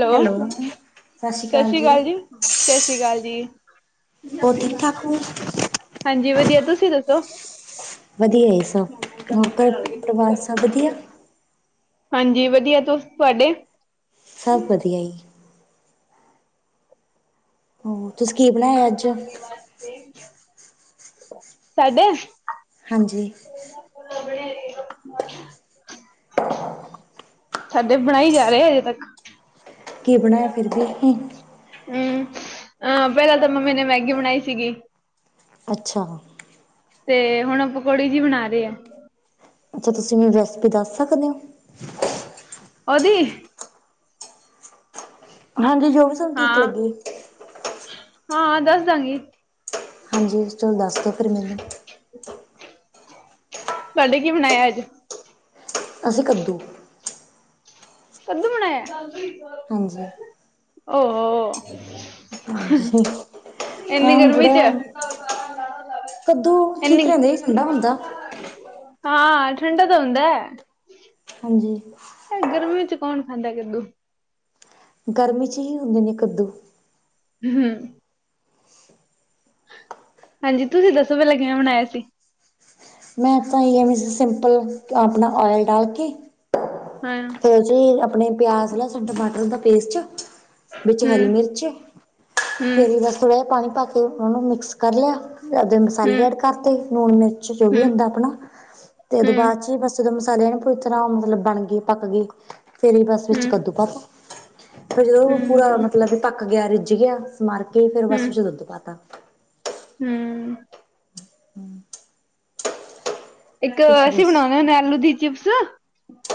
Hello, ਸਸ਼੍ਰੀ ਅਕਾਲ ਜੀ, ਸਸ੍ਰੀ ਅਕਾਲ। ਹੋਰ ਠੀਕ-ਠਾਕ ਓ। ਹਾਂਜੀ ਵਧੀਆ, ਤੁਸੀਂ ਦੱਸੋ? ਵਧੀਆ ਸਭ, ਹੋਰ ਕੋਈ ਪਰਿਵਾਰ ਸਭ ਵਧੀਆ। ਹਾਂਜੀ ਵਧੀਆ ਤੁ ਤੁਆਡੇ ਸਭ ਵਧੀਆ ਹੀ। ਹੋਰ, ਤੁਸੀਂ ਕੀ ਬਣਾਇਆ ਅੱਜ ਸਾਡੇ। ਹਾਂਜੀ। [unintelligible] ਸਾਡੇ ਬਣਾਈ ਜਾ ਰਹੇ ਹਜੇ ਤੱਕ। ਕੀ ਬਣਾਇਆ ਫਿਰ ਵੀ ਹਮ, ਅਮ, ਪੈਲਾਂ ਤਾਂ ਮੰਮੀ ਨੇ ਮੈਗੀ ਬਣਾਈ ਸੀਗੀ। ਅੱਛਾ। ਤੇ ਹੁਣ ਪਕੌੜੀ ਜਿਹੀ ਬਣਾ ਰਹੇ ਐ। ਅੱਛਾ ਤੁਸੀਂ ਮੈਨੂੰ ਰੈਸਿਪੀ ਦੱਸ ਸਕਦੇ ਹੋ। ਉਹਦੀ। ਹਾਂਜੀ ਜੋ ਵੀ। ਤੁਹਾਨੂੰ ਠੀਕ ਹਾਂ, ਲੱਗੇ। ਹਾਂ ਦੱਸ ਦਾਂਗੀ। ਹਾਂਜੀ, ਇਹਚੋ ਦੱਸ ਦੇ। ਤਾਡੇ ਕੀ ਬਨਾਇਆ ਅੱਜ। ਅਸੀਂ ਕੱਦੂ। ਸੰਧੂ ਬਣਾਇਆ ਹਾਂਜੀ। ਉਹ ਹੋ, ਹਾਂਜੀ, ਐਨੀ ਹਾਂ ਹੁਣ ਥੋੜਾ ਗਰਮੀ 'ਚ ਜਿਹਾ ਕੱਦੂ ਠੀਕ ਐਨੀ, ਰਹਿੰਦੇ ਠੰਡਾ ਹੁੰਦਾ। ਹਾਂ ਠੰਡਕ ਹੁੰਦਾ। ਹਾਂਜੀ। ਇਹ ਗਰਮੀਆਂ 'ਚ ਕੌਣ ਖਾਂਦਾ ਕੱਦੂ? ਗਰਮੀ 'ਚ ਹੀ ਹੁੰਦੇ ਨੇ ਕੱਦੂ। ਹਮਮ ਹਾਂਜੀ, ਤੁਸੀਂ ਦੱਸੋ? ਪੈਲਾਂ ਕਿਵੇਂ ਬਣਾਇਆ ਸੀ। ਮੈਂ ਤਾਂ ਈ ਐਵੇ ਸਿੰਪਲ, ਆਪਣਾ ਔਇਲ ਡਾਲ ਕੇ ਹਾਂ। ਜੇ ਆਪਣੇ ਪਿਆਜ਼ ਲਾ, ਟਮਾਟਰ ਦਾ ਪੇਸਟ ਵਿੱਚ ਹੂੰ ਹਰੀ ਮਿਰਚ। ਹੂੰ ਫੇਰ ਹੂੰ ਬਸ ਥੋੜਾ ਜਿਹਾ ਪਾਣੀ ਪਾ ਕੇ ਉਹਨੂੰ ਮਿਕਸ ਕਰ ਲਿਆ। ਉਹਦੇ ਹੂੰ ਮਸਾਲੇ ਐਡ ਕਰਤੇ, ਲੂਣ, ਮਿਰਚ ਜੋ ਵੀ ਹੂੰ ਹੁੰਦਾ ਆਪਣਾ। ਉਹਦੇ ਹੂੰ ਬਾਅਦ 'ਚ ਫਿਰ ਬਸ ਜਦੋਂ ਮਸਾਲੇ ਨਾ ਪੂਰੀ ਤਰ੍ਹਾਂ ਮਤਲਬ ਬਣ ਗਏ। ਪੱਕ ਗਏ, ਫਿਰ ਹੀ ਬਸ ਵਿੱਚ ਹੂੰ ਕੱਦੂ ਪਾਤਾ। ਫਿਰ ਜਦੋਂ ਪੂਰਾ ਹੂੰ ਮਤਲਬ ਪੱਕ ਗਿਆ, ਰਿੱਝ ਗਿਆ। ਮਾਰ ਕੇ, ਫਿਰ ਬਸ ਉਹ ਚੇ ਦੁੱਧ ਪਾਤਾ। ਹੂੰ। ਹਮ। ਇੱਕ ਤੁਸੀਂ ਅਸੀਂ ਬਣਾਉਣੇ ਦੱਸੋ ਹੁੰਨੇ ਆਲੂ ਦੀ ਚਿਪਸ।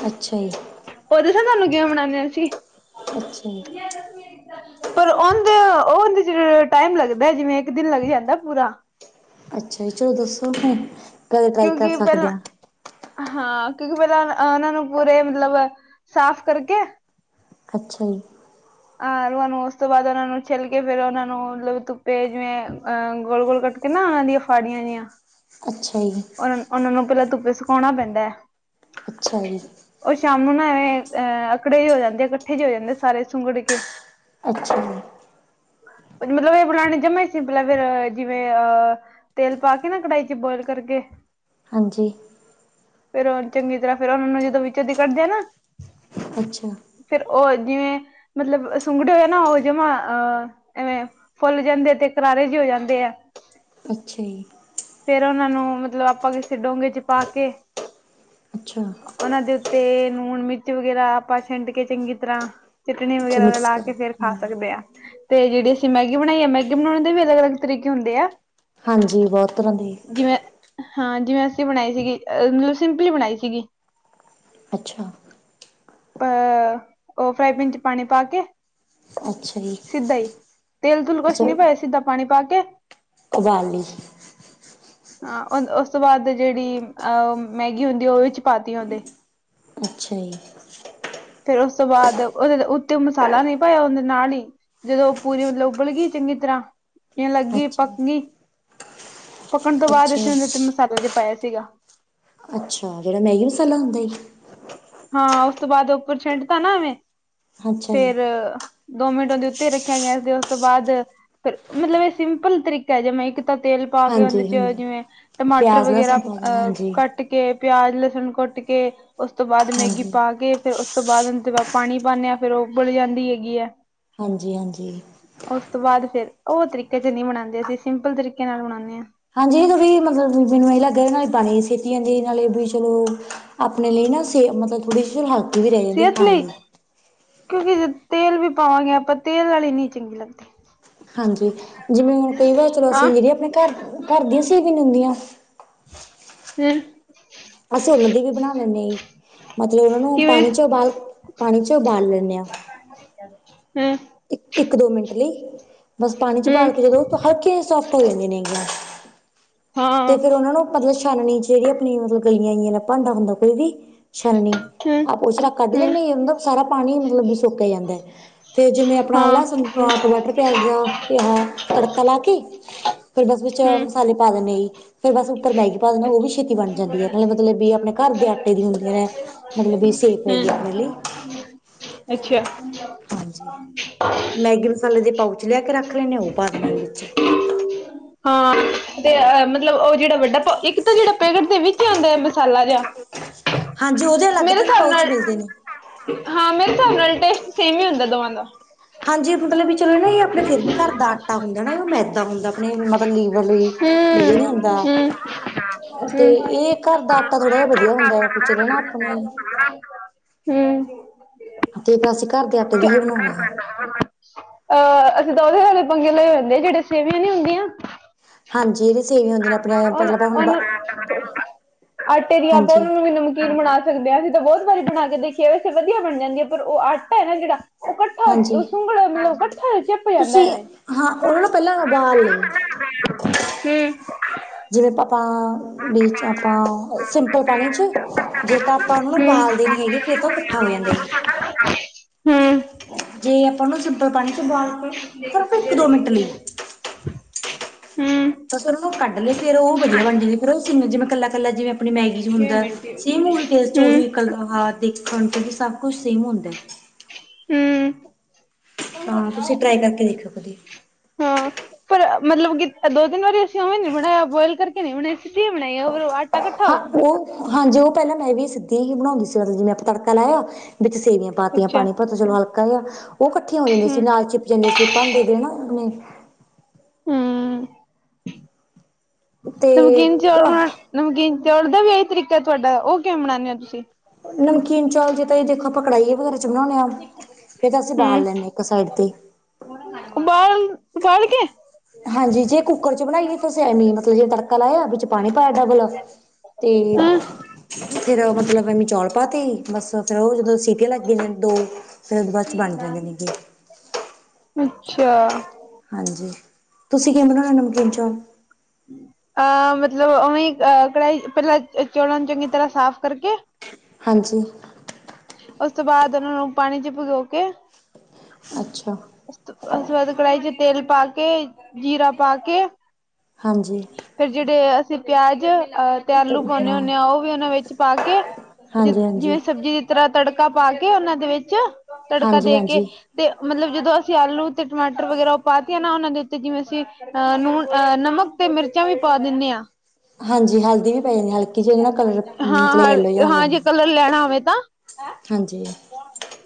ਅੱਛਾ ਜੀ ਉਹ ਦਸਾ ਤੁਹਾਨੂੰ ਕਿਵੇਂ ਬਨਾਦੇ ਆ ਅਸੀਂ ਅੱਛਾ ਜੀ ਪਰ ਓਦੇ, ਉਹਦੇ ਚ ਟਾਈਮ ਲੱਗਦਾ, ਜਿਵੇਂ ਇੱਕ ਦਿਨ ਲੱਗ ਜਾਂਦਾ ਪੂਰਾ। ਅੱਛਾ ਜੀ, ਚਲੋ ਦੱਸੋ ਤਾਂ। ਕਿਉਂਕਿ ਪਹਿਲਾਂ ਹਾਂ, ਕਿਉਂਕਿ ਪਹਿਲਾਂ ਉਹਨਾਂ ਨੂੰ ਪੂਰੇ ਮਤਲਬ ਸਾਫ਼ ਕਰਕੇ। ਅੱਛਾ ਜੀ। ਆਲੂ ਆ ਨੂੰ ਉਸ ਤੋਂ ਬਾਅਦ ਉਹਨਾ ਨੂੰ ਛਿੱਲ ਕੇ ਫੇਰ ਉਹਨਾਂ ਨੂੰ ਮਤਲਬ ਧੁੱਪੇ ਜਿਵੇਂ ਅਹ ਗੋਲ-ਗੋਲ ਕੱਟ ਤਾਂ ਉਹਨਾਂ ਦੀਆਂ ਫਾੜੀਆਂ ਜੀਆ। ਅੱਛਾ ਜੀ। ਉਹਨਾ ਨੂੰ ਉਹਨਾ ਨੂੰ ਪਹਿਲਾਂ ਧੁੱਪੇ ਸੁਕਾਉਣਾ ਪੈਂਦਾ ਹੈ। ਅੱਛਾ ਜੀ। ਉਹ ਸ਼ਾਮ ਨੂੰ ਨਾ, ਐਵੇਂ ਅਹ ਅਕੜੇ ਜੇ ਹੋ ਜਾਂਦੇ ਆ, ਇਕੱਠੇ ਜੇ ਹੋ ਜਾਂਦੇ ਆ, ਸਾਰੇ ਸੁੰਗੜ ਕੇ। ਅੱਛਾ। ਮਤਲਬ ਇਹ ਬਣਾਉਣੇ ਜਮਾ ਸਿੰਪਲ ਹੈ ਫੇਰ ਜਿਵੇਂ ਅਹ ਤੇਲ ਪਾ ਕੇ ਨਾ ਕੜਾਹੀ ਚ ਬੋਇਲ ਕਰਕੇ। ਹਾਂਜੀ। ਫੇਰ ਉਹ ਚੰਗੀ ਤਰ੍ਹਾਂ ਫੇਰ ਉਹਨਾ ਨੂੰ ਜਦੋਂ ਵਿੱਚੋ ਦੀ ਕੱਢਦੇ ਆ ਨਾ ਅੱਛਾ। ਫੇਰ ਉਹ ਜਿਵੇਂ ਮਤਲਬ ਸੁੰਗੜੇ ਹੋਏ ਨਾ ਉਹ ਜਮਾਂ ਅਹ ਐਵੇਂ ਫੁੱਲ ਜਾਂਦੇ ਤੇ ਕਰਾਰੇ ਜੇ ਹੋ ਜਾਂਦੇ ਐ। ਅੱਛਾ ਜੀ। ਫੇਰ ਉਹਨਾਂ ਨੂੰ ਮਤਲਬ ਆਪਾਂ ਕਿਸੇ ਡੋਂਗੇੇ ਚ ਪਾ ਕੇ ਅੱਛਾ। ਉਹਨਾਂ ਦੇ ਉੱਤੇ ਲੂਣ, ਮਿਰਚ ਵਗੈਰਾ ਆਪਾਂ ਛੰਡ ਕੇ ਚੰਗੀ ਤਰ੍ਹਾਂ ਚਟਨੀ ਅੱਛਾ ਵਗੈਰਾ ਮਿਕਸ ਰਲਾ ਕਰ ਕੇ ਫੇਰ ਖਾ ਸਕਦੇ ਆ। ਤੇ ਜਿਹੜੀ ਅਸੀਂ ਮੈਗੀ ਬਣਾਈ ਆ ਮੈਗੀ ਬਣਾਉਣ ਦੇ ਵੀ ਅਲਗ-ਅਲਗ ਤਰੀਕੇ ਹੁੰਦੇ ਆ। ਹਾਂਜੀ, ਬਹੁਤ ਤਰ੍ਹਾਂ ਦੇ। ਜਿਵੇਂ ਹਾਂ ਜਿਵੇਂ ਅਸੀਂ ਬਣਾਈ ਸੀਗੀ, ਅ ਮਤਲਬ ਸਿੰਪਲੀ ਬਣਾਈ ਸੀ ਗੀ। ਅੱਛਾ। ਪ, ਉਹ ਫਰਾਈ ਪੈਨ ਚ ਪਾਣੀ ਪਾ ਕੇ। ਅੱਛਾ ਜੀ ਸਿੱਧਾ ਹੀ, ਤੇਲ ਤੁਲ ਕੁਛ ਨਹੀਂ ਪਾਏ ਸਿੱਧਾ ਪਾਣੀ ਪਾ ਕੇ ਕਵਾਲੀ, ਹਾਂ ਉਸ ਤੋਂ ਬਾਅਦ ਜਿਹੜੀ ਅਹ ਮੈਗੀ ਹੁੰਦੀ ਉਹ ਚ ਪਾਤੀ ਉਹਦੇ ਅੱਛਾ ਜੀ। ਫਿਰ ਉਸ ਤੋਂ ਬਾਅਦ ਉਹਦੇ ਉਹ ਤੇ ਓ ਮਸਾਲਾ ਨਹੀਂ ਪਾਇਆ ਉਹਦੇ ਨਾਲ ਹੀ, ਜਦੋਂ ਉਹ ਪੂਰੀ ਮਤਲਬ ਉਬਲ ਗਈ ਚੰਗੀ ਤਰ੍ਹਾਂ ਜ ਲੱਗੀ ਅੱਛਾ ਪੱਕ ਗਈ, ਪੱਕਣ ਤੋਂ ਬਾਅਦ ਅੱਛਾ ਅਸੀਂ ਉਹਦੇ ਉਤੇ ਮਸਾਲਾ ਜੇ ਪਾਇਆ ਸੀਗਾ। ਅੱਛਾ, ਜਿਹੜਾ ਮੈਗੀ ਮਸਾਲਾ ਹੁੰਦਾ ਜੀ। ਹਾਂ, ਉਸ ਤੋਂ ਬਾਅਦ ਉੱਪਰ ਛੱਡ ਤਾ ਨਾ ਐਵੇਂ, ਅੱਛਾ ਜੀ ਫੇਰ ਦੋ ਮਿੰਟ ਉਹ ਦੇ ਉੱਤੇ ਰੱਖਿਆ ਗਿਆ ਸੀ ਤੇ ਉਸ ਤੋਂ ਬਾਅਦ ਫਿਰ ਮਤਲਬ ਇਹ ਸਿੰਪਲ ਤਰੀਕਾ ਜਿਵੇਂ ਇੱਕ ਤਾਂ ਤੇਲ ਪਾ ਕੇ ਉਹਦੇ ਹਾਂਜੀ ਚ ਹਾਂਜੀ ਜਿਵੇਂ ਟਮਾਟਰ ਪਿਆਜ਼ ਵਗੈਰਾ ਲਸਣ ਪਾ ਦੇਣਾ ਅਹ ਹਾਂਜੀ ਕੱਟ ਕੁੱਟ ਕੇ ਪਿਆਜ਼, ਲਸਣ ਕੁੱਟ ਕੇ ਉਸ ਤੋਂ ਬਾਅਦ ਮੈਗੀ ਹਾਂਜੀ ਪਾ ਕੇ ਫਿਰ ਉਸ ਉਸ ਤੋਂ ਬਾਅਦ ਤੇ ਬਾ ਪਾਣੀ ਪਾਂਨੇ ਆ ਫੇਰ ਉਬਲ ਜਾਂਦੀ ਹੈਗੀ ਐ। ਹਾਂਜੀ-ਹਾਂਜੀ। ਉਸ ਤੋਂ ਬਾਅਦ ਫਿਰ ਓ ਤਰੀਕੇ 'ਚ ਨੀ ਬਣਾਦੇ ਅਸੀਂ ਸਿੰਪਲ ਤਰੀਕੇ ਨਾਲ ਬਣਾਨੇ ਆ। ਹਾਂਜੀ ਏਗਾ ਵੀ ਮਤਲਬ ਬੀਬੀ ਨੂੰ ਏਈ ਲੱਗ ਰੇ ਨਾਲੇ ਪਾਣੀ ਸਿੱਟੀ ਜਾਂਦੀ ਏ ਨਾਲੇ ਵੀ ਚਲੋ ਆਪਣੇ ਲਈ ਨਾ ਸੇ ਮਤਲਬ ਥੋੜੀ ਜੀ ਹਲ ਸਿਹਤ ਲਈ, ਕਿਉਂਕਿ ਜੇ ਤੇਲ ਵੀ ਪਾਵਾਂਗੇ ਆਪਾਂ ਤੇਲ ਆਲੀ ਨੀ ਚੰਗੀ ਲੱਗਦੀ। ਹਾਂਜੀ ਜਿਵੇਂ ਹੁਣ ਕਈ ਵਾਰ ਚਲੋ ਹਾਂ ਅਸੀਂ ਜੇੜੀਆ ਆਪਣੇ ਘਰ, ਘਰ ਦੀਆਂ ਸੇਵੀਆਂ ਨੀ ਹੁੰਂਦੀਆਂ ਹੂੰ। ਅਸੀਂ ਉਨਾਂ ਦੀ ਵੀ ਬਣਾ ਲੈਂਨੇ ਆ ਜੀ, ਮਤਲਬ ਉਨਾਂ ਨੂੰ ਕਿਵੇਂ ਪਾਣੀ ਚੋਂ ਉਬਾਲ ਪਾਣੀ 'ਚ ਉਬਾਲ ਲੈਂਨੇ ਆ। ਹੂੰ। ਇੱਕ-ਇੱਕ ਦੋ ਮਿੰਟ ਲਈ ਬਸ ਪਾਣੀ 'ਚ ਬਾਲ ਕੇ ਹਮ ਜਦੋਂ ਹਲਕੀਆਂ ਜੀ ਸੋਫਟ ਹੋ ਜਾਂਦੀਆਂ ਨੇ ਗੀਆਂ 'ਤੇ ਹਾਂ ਫਿਰ ਉਨਾਂ ਨੂੰ ਮਤਲਬ ਛਾਨਣੀ 'ਚ ਜੇੜੀ ਆਪਣੀ ਮਤਲਬ ਗਲੀਆਂ ਜੀ ਆਲਾ ਭਾਂਡਾ ਹੁੰਦਾ ਕੋਈ ਵੀ ਛਾਣਨੀ ਹਮ ਆਪ ਓ 'ਚ ਰ ਕੱਢ ਹਮ ਲੈਂਨੇ ਆ ਉਦਾ ਸਾਰਾ ਪਾਣੀ ਮਤਲਬ ਸੋਕਿਆ ਜਾਂਦਾ ਐ। [inaudible] ਜਿਵੇਂ ਆਪਣਾ ਹਾਂ ਲਸਣ, ਟਮਾਟਰ, ਪਿਆਜ਼ ਦਾ ਤੇ ਆਹ ਤੜਕਾ ਲਾ ਕੇ ਫਿਰ ਬਸ ਵਿੱਚ ਹਮ ਮਸਾਲੇ ਪਾ ਦਿੰਨੇ ਆ ਜੀ। ਫਿਰ ਬਸ ਉੱਪਰ ਮੈਗੀ ਪਾ ਦੇਨੇ ਆ ਓ ਵੀ ਛੇਤੀ ਬਣ ਜਾਂਦੀ ਐ ਨਾਲੇ ਮਤਲਬ ਵੀ ਆਪਣੇ ਘਰ ਦੇ ਆਟੇ ਦੀ ਹੁੰਦੀਆਂ ਨੇ। ਮਤਲਬ ਵੀ ਸੇਫ ਹੈਗੀ ਆਪਣੇ ਲਈ ਹੂੰ, ਅੱਛਾ। ਹਾਂਜੀ। ਮੈਗੀ ਮਸਾਲੇ ਦੇ ਪਾਊਚ ਲਿਆ ਕੇ ਰੱਖ ਲੈਂਨੇ ਆ ਓ ਪਾ ਦੇਣੇ ਆ ਵਿੱਚ। ਹਾਂ ਤੇ ਅ ਮਤਲਬ ਓ ਜੇੜਾ ਵੱਡਾ ਪ ਇੱਕ ਤਾਂ ਜੇੜਾ ਪੈਕਟ ਦੇ ਵਿੱਚ ਆਂਦਾ ਐ ਮਸਾਲਾ ਜੇਆ। ਹਾਂਜੀ ਉਦੇ ਅਲੱਗ ਤੋਂ ਵੀ ਪਾਉਚ ਮਿਲਦੇ ਨੇ। ਹਾਂ‌ ਮੇਰੇ ਹਿਸਾਬ ਨਾਲ ਟੇਸਟ ਸੇਮ ਈ ਹੁੰਦਾ ਦੋਵਾਂ ਦਾ। ਹਾਂਜੀ ਮਤਲਬ ਵੀ ਚਲੋ ਨਾ ਏ ਆਪਣੇ ਫਿਰ ਵੀ ਘਰ ਦਾ ਆਟਾ ਹੁੰਦਾ ਨਾ ਓ ਮੈਦਾ ਹੁੰਦਾ ਆਪਣੇ ਮ ਲੀਵਰ ਲਈ ਵਧੀਆ ਹਮ ਨੀ ਹੁੰਦਾ। ਹਮ 'ਤੇ ਹਮ ਏ ਘਰ ਦਾ ਆਟਾ ਥੋੜਾ ਜਾ ਹੂੰ ਵਧੀਆ ਹੁੰਦਾ ਆ ਚਲੋ ਨਾ ਆਪਣੇ ਹੂੰ। 'ਤੇ ਫੇਰ ਅਸੀਂ ਘਰਦੇ [inaudible] ਅ ਅਸੀਂ ਤਾਂ ਉਦੇ ਨਾਲੇ ਪੰਗੇ ਲਏ ਹੁੰਦੇ ਆ ਜੇੜੇ ਸੇਵੀਆਂ ਨੀ ਹੁੰਦੀਆਂ। ਹਾਂਜੀ ਜੇੜੀਆ ਸੇਵੀਆਂ ਹੁੰਦੀਆਂ ਨੇ ਆਪਣੇ ਆਲੀਆਂ ਮਤਲਬ ਹੁਣ ਬਾ ਉਹਨੂੰ ਆਟੇ ਦੀਆਂ ਆਪਾਂ ਉਨਾਂ ਨੂੰ ਵੀ ਨਮਕੀਨ ਬਣਾ ਸਕਦੇ ਆ ਅਸੀਂ ਤਾਂ ਬੋਤ ਵਾਰੀ ਬਣਾ ਕੇ ਦੇਖਿਆ ਵੈਸੇ ਵਧੀਆ ਬਣ ਜਾਂਦੀ ਐ ਪਰ ਓ ਆਟਾ ਏ ਨਾ ਜੇੜਾ ਓ ਹਾਂਜੀ ਕੱਠਾ ਸੁੰਗਲ ਮਤਲਬ ਕੱਠਾ ਚਿੱਪ ਜਾਂਦਾ ਤੁਸੀਂ ਐਵੇਂ। ਹਾਂ ਉਹਨਾਂ ਨੂੰ ਪਹਿਲਾਂ ਉਬਾਲ ਲਈ ਹੂੰ। ਜਿਵੇਂ ਪਾ ਹੂੰ ਪਾਂ ਵੀ 'ਚ ਆਪਾਂ ਹੂੰ ਸਿੰਪਲ ਪਾਣੀ 'ਚ ਜੇ ਤਾਂ ਆਪਾਂ ਉਨੂੰ ਨਾ ਬਾਲ ਦੇ ਨੀ ਹੈਗੇ ਫੇਰ ਤਾਂ ਓ ਕੱਠਾ ਹੋ ਜਾਂਦਾ ਜੀ। ਹੂੰ। ਜੇ ਆਪਾਂ ਉਨੂੰ ਸਿੰਪਲ ਪਾਣੀ 'ਚ ਬਾਲ ਕੇ ਸਿਰਫ਼ ਇੱਕ-ਦੋ ਮਿੰਟ ਲਈ ਹੂੰ ਤਾਂ ਫਿਰ ਉਨੂੰ ਕੱਢ ਲੇ ਫੇਰ ਓ ਵਧੀਆਂ ਬਣ ਜੁਗੀ ਫੇਰ ਓ ਸਿਮ ਜਿਵੇਂ ਕੱਲਾ-ਕੱਲਾ ਜਿਵੇਂ ਆਪਣੀ ਮੈਗੀ 'ਚ ਹੁੰਦਾ ਸੇਮ ਉਹੀ ਟੇਸਟ ਹੂੰ ਉਹੀ ਕਲ ਆਹ ਦੇਖਣ ਚ ਵੀ ਸਭ ਕੁਛ ਸੇਮ ਹੁੰਦੈਂ। ਹੂੰ ਤਾਂ, ਤੁਸੀਂ ਟਰਾਈ ਕਰਕੇ ਦੇਖਿਓ ਕਦੀ ਹਾਂ, ਪਰ ਮਤਲਬ ਕਿ ਦੋ ਤਿੰਨ ਵਾਰੀ, ਅਸੀਂ ਉਵੇਂ ਨੀ ਬਣਾਇਆਂ। ਬੋਇਲ ਕਰਕੇ ਨ੍ਹੀਂ ਬਣੇ ਹਾਂ ਓ [unintelligible] ਹਾਂਜੀ, ਉਹ ਮੈਂ ਵੀ ਪਹਿਲਾਂ ਸਿੱਧੇ ਹੀ ਬਣਾਉਂਦੀ ਸੀ, ਜਿਵੇਂ ਆਪਾਂ ਤੜਕਾ ਲਾਇਆਂ ਵਿੱਚ ਸੇਵੀਆਂ ਪਾਤੀਆਂ। ਅੱਛਾ ਪਾਣੀ ਪੌਤ ਚਲੋ ਹਲਕਾ ਜਾ ਉਹ ਇਕੱਠੀਆਂ ਹੋ ਜਾਂਦੀਆਂ ਸੀ, ਹੂੰ ਨਾਲ਼ ਚਿਪ ਜਾਂਦੀਆਂ ਸੀ, ਉਨਾਂ ਭਾਂਡੇ ਦੇ ਨਾ ਜਿਵੇਂ ਹੂੰ ਤੇ ਨਮਕੀਨ ਚੋਲ ਨਾਲ। ਨਮਕੀਨ ਚੌਲ ਦਾ ਵੀ ਇਹੀ ਤਰੀਕਾ ਤੁਹਾਡਾ, ਉਹ ਕਿਵੇ ਬਣਾਣੇ ਓ ਤੁਸੀਂ ਨਮਕੀਨ ਚੌਲ ਜਾ ਤਾਂ ਤੁਸੀਂ ਦੇਖੋ ਕੜਾਈ [unintelligible] 'ਚ ਬਣਾਉਣੇ ਆ। ਫੇ਼ਰ ਤਾਂ ਅਸੀਂ ਉਬਾਲ ਲੈਂਣੇ ਆ, ਇੱਕੋ ਸਾਈਡ ਤੇ ਓਬਾਲ ਬਾਲ ਕੇ [unintelligible] ਹਾਂਜੀ, ਜੇ ਕੁੱਕਰ ਚ ਬਣਾਈਏ ਤੇ ਅਸੀਂ ਏਵੀ ਮਤਲਬ ਜੇ ਤੜਕਾ ਲਾਇਆਂ ਵਿੱਚ ਪਾਣੀ ਪਾਇਆਂ ਅਧਾ ਗਿਲਾਸ- ਤੇ ਹੂੰ ਫੇ਼ਰ ਮਤਲਬ ਐਵੀਂ ਚੌਲ ਪਾ ਤੇ ਬੱਸ ਫ਼ੇਰ ਉਹ ਜਦੋਂ ਸੀਟੀਆਂ ਲੱਗਦੀਆਂ ਨੇ ਦੋ, ਫ਼ੇਰ ਉਦੋਂ ਬਾਅਦ ਚ ਬਣ ਜਾਂਦੇ ਨੇ ਗੇ ਅੱਛਾ। ਹਾਂਜੀ, ਤੁਸੀਂ ਕਿਵੇਂ ਬਣਾਉਣੇ ਓ ਨਮਕੀਨ ਚੌਲ ਅਹ ਮਤਲਬ, ਉਵੇਂ ਅਹ ਕੜਾਹੀ ਪਹਿਲਾਂ ਚੋਲਾਂ ਨੂੰ, ਚੰਗੀ ਤਰ੍ਹਾਂ ਸਾਫ਼ ਕਰਕੇ ਹਾਂਜੀ। ਉਸ ਤੋਂ ਬਾਅਦ ਉਹਨਾਂ ਨੂੰ ਪਾਣੀ ਇਚ ਭਗੋ ਕੇ ਅੱਛਾ। ਓਸ ਤੋ ਬਾਅਦ ਕੜਾਹੀ ਚ ਤੇਲ ਪਾ ਕੇ, ਜ਼ੀਰਾ ਪਾ ਕੇ ਹਾਂਜੀ। ਫੇ਼ਰ ਜਿਹੜੇ, ਅਸੀਂ ਪਿਆਜ਼ ਅ ਤੇ ਆਲੂ ਪਾਉਂਣੇ ਹਾਂ ਹੁਣੇ ਆ, ਉਹ ਵੀ ਉਹਨਾਂ ਵਿੱਚ ਪਾ ਕੇ ਜੀ, ਹਾਂਜੀ ਹਾਂਜੀ ਜਿਵੇਂ ਹਾਂਜੀ ਸਬਜ਼ੀ ਤਰ੍ਹਾਂ ਤੜਕਾ ਪਾ ਕੇ, ਉਹਨਾਂ ਦੇ ਵਿੱਚ ਤੜਕਾ ਦੇ ਕੇ, ਹਾਂਜੀ ਤੇ ਮਤਲਬ ਜਦੋਂ ਅਸੀਂ ਆਲੂ ਤੇ ਟਮਾਟਰ ਵਗੈਰਾ, ਉਹ ਪਾਤਿਆ ਉਹਨਾਂ ਦੇ ਉੱਤੇ ਜਿਵੇਂ ਅਸੀਂ ਅਹ ਨੂਨ, ਅਹ ਨਮਕ ਤੇ ਮਿਰਚਾਂ ਵੀ ਪਾ ਦਿਣੇ ਆ ਹਾਂਜੀ ਹਲਦੀ ਵੀ ਪੈ ਜਾਂਦੀ ਹਲਕੀ ਜਿਹੀ ਉਹਦੇ ਨਾਲ ਕਲਰ ਹਾਂ, ਮਤਲਬ ਯੈਲੋ ਜਿਹਾ ਹ ਹੋ ਹਾਂ ਜਾਂਦਾ ਜੇ ਕਲਰ ਲੈਣਾ ਹੋਵੇ ਤਾਂ ਹਾਂਜੀ।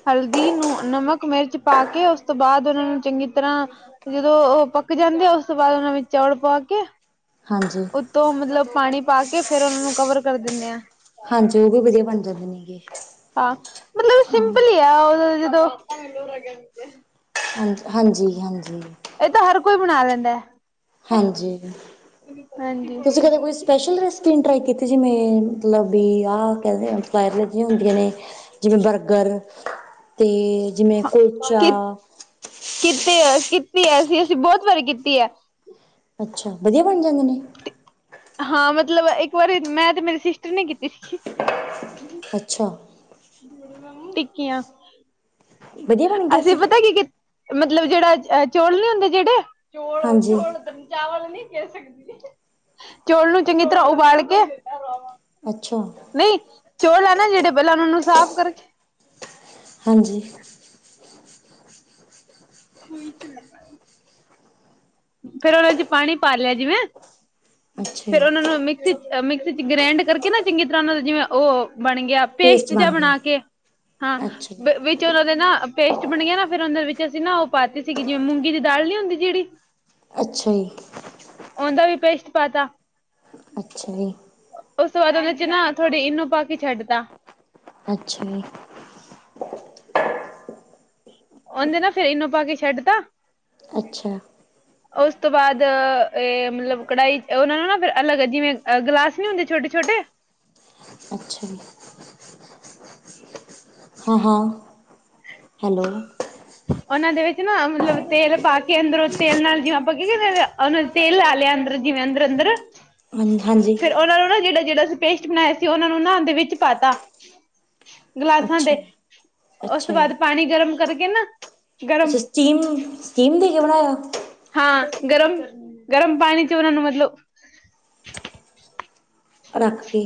ਹਲਦੀ ਨੂੰ ਨਮਕ ਮਿਰਚ ਪਾ ਕੇ, ਉਸ ਤੋਂ ਬਾਅਦ ਉਹਨਾਂ ਨੂੰ ਚੰਗੀ ਤਰ੍ਹਾਂ ਜਦੋਂ ਉਹ ਪੱਕ ਜਾਂਦੇ ਆ। ਉਸ ਤੋਂ ਬਾਅਦ ਉਹਨਾਂ ਵਿੱਚ ਚੌਲ ਪਾ ਕੇ ਹਾਂਜੀ। ਤੋ ਮਤਲਬ ਪਾਣੀ ਪਾ ਕੇ, ਫ਼ੇਰ ਉਹਨਾਂ ਨੂੰ ਕਵਰ ਕਰ ਦਿਣੇ ਆਂ ਹਾਂਜੀ। ਉਹ ਵੀ ਵਧੀਆਂ ਬਣ ਜਾਂਦੇ ਨੇ ਗੇ। ਹਾਂ ਮਤਲਬ ਸਿੰਪਲ ਈ ਆ ਜਦੋਂ [unintelligible] ਹਾਂਜੀ -ਹਾਂਜੀ -ਹਾਂਜੀ। ਇਹ ਤਾਂ, ਹਰ ਕੋਈ ਬਣਾ ਲੈਂਦਾ। ਹਾਂਜੀ, ਹਾਂਜੀ ਤੁਸੀਂ ਕਦੇ ਕੋਈ ਸਪੈਸ਼ਲ ਰੈਸ ਪੀ, ਟਰਾਈ ਕੀਤੀ। ਜਿਵੇਂ ਮਤਲਬ ਬੀ ਆਹ ਕਹਿਦੇ, ਵਾਇਰਲ ਜੀ ਹੁੰਦੀਆਂ ਨੇ ਜਿਵੇਂ ਬਰਗਰ, ਤੇ ਜਿਵੇਂ ਕੁਲਚਾ ਕਿ ਕੀਤੀ ਏ, ਕੀਤੀ ਏ, ਅਸੀ, ਅਸੀ ਬਹੁਤ ਵਾਰੀ ਕੀਤੀ ਏ ਅੱਛਾ। ਵਧੀਆ ਬਣ ਜਾਂਦੇ ਨੇ‌। ਹਾਂ। ਮਤਲਬ ਇੱਕ ਵਾਰੀ ਮੈਂ ਤੇ, ਮੇਰੀ ਸਿਸਟਰ ਨੇ ਕੀਤੀ ਸੀ। ਅੱਛਾ। ਟਿੱਕੀਆਂ। [unintelligible] ਵਧੀਆ ਬਣ ਗਿਆ ਅਸੀਂ ਸੀ ਪਤਾ ਕੀਤ, ਮਤਲਬ ਜਿਹੜਾ ਚੋਲ ਨੀ ਹੁੰਦੇ, ਜਿਹੜੇ ਹਾਂਜੀ [unintelligible] ਚਾਵਲ ਨਹੀਂ ਕਹਿ ਸਕਦੀ, ਚੌਲ ਨੂੰ ਚੰਗੀ ਤਰ੍ਹਾਂ ਉਬਾਲ ਕੇ ਅੱਛਾ। ਨਈ ਚੋਲ ਆ ਨਾ ਜਿਹੜੇ ਪਹਿਲਾਂ ਉਹਨਾਂ ਨੂੰ ਸਾਫ਼ ਕਰਕੇ ਹਾਂਜੀ। ਕੋਈ [unintelligible] ਫਿਰ ਉਹਨਾਂ ਚ ਪਾਣੀ ਪਾ ਲਿਆ ਜਿਵੇਂ, ਅੱਛਾ ਜੀ ਫਿਰ ਉਹਨਾਂ ਨੂੰ ਮਿਕ ਮਿਕਸੀ ਚ ਗ੍ਰੈਂਡ ਕਰਕੇ ਨਾ ਚੰਗੀ ਤਰ੍ਹਾਂ ਉਹਨਾਂ ਦਾ ਜਿਵੇਂ ਉਹ ਬਣ ਗਿਆ। ਪੇਸਟ ਜਾਂ ਬਣ ਗਿਆ ਬਣਾ ਕੇ ਹਾਂ ਅੱਛਾ ਜੀ ਵਿੱਚ ਵਿਚ ਉਹਨਾਂ ਦੇ ਨਾ ਪੇਸਟ ਬਣ ਗਿਆ ਨਾ ਫਿਰ ਉਹਨਾਂ ਦੇ ਵਿੱਚ ਅਸੀਂ ਨਾ ਉਹ ਪਾਤੀ ਸੀਗੀ, ਜਿਵੇਂ ਮੂੰਗੀ ਦੀ ਦਾਲ ਨੀ ਹੁੰਦੀ ਜਿਹੜੀ। ਅੱਛਾ ਜੀ। ਉਹਦਾਂ ਵੀ ਪੇਸਟ ਪਾ ਤਾ। ਅੱਛਾ ਜੀ। ਉਸ ਤੋਂ ਬਾਅਦ ਉਹਦੇ ਚ ਨਾ ਥੋੜੀ ਇਨੋ ਪਾ ਕੇ ਛੱਡਤਾ। ਅੱਛਾ ਜੀ। ਉਹਨੇ ਨਾ ਫਿਰ ਇਨੋ ਪਾ ਕੇ ਛੱਡਤਾ ਅੱਛਾ। ਉਸ ਤੋਂ ਬਾਅਦ ਏਹ ਮਤਲਬ ਕੜਾਹੀ ਉਹਨਾਂ ਨੂੰ ਨੇ ਫਿਰ ਅਲੱਗ ਜਿਵੇਂ ਗਲਾਸ ਨੀਂ ਹੁੰਦੇ ਛੋਟੇ-ਛੋਟੇ ਅੱਛਾ ਜੀ। ਹਾਂ- ਹਾਂ ਹੈਲੋ। ਉਹਨਾਂ ਦੇ ਵਿੱਚ ਨਾ ਮਤਲਬ ਤੇਲ ਪਾ ਕੇ ਅੰਦਰੋਂ ਤੇਲ ਨਾਲ ਜਿਵੇਂ ਆਪਾਂ ਕਹੀਏ ਨਾ ਉਹਨਾ ਤੇਲ ਲਾ ਲਿਆ ਅੰਦਰ ਜਿਵੇਂ ਅੰਦਰ- ਅੰਦਰ, ਹਾਂਜੀ ਹਾਂਜੀ ਫਿਰ ਉਹਨਾਂ ਨੂੰ ਨਾ ਜਿਹੜਾ- ਜਿਹੜਾ ਪੇਸਟ ਬਣਾਇਆ ਸੀ ਉਹਨਾਂ ਨੂੰ ਉਦੇ ਵਿੱਚ ਪਾ ਤਾ ਗਲਾਸਾਂ ਅੱਛਾ ਦੇ ਉਸ ਅੱਛਾ ਤੋਂ ਜੀ ਬਾਅਦ ਪਾਨੀ ਗਰਮ ਕਰਕੇ ਨਾ ਗਰਮ ਅੱਛਾ ਸਟੀਮ- ਸਟੀਮ ਦੇ ਕੇ ਬਣਾਇਆ। ਹਾਂ ਗਰਮ- ਗਰਮ ਪਾਣੀ ਚ ਉਹਨਾਂ ਨੂੰ ਮਤਲਬ ਰੱਖ ਕੇ।